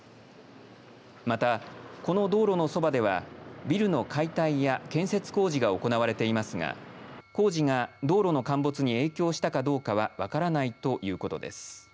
また、この道路の側ではビルの解体や建設工事が行われていますが工事が道路の陥没に影響したかどうかは分からないということです。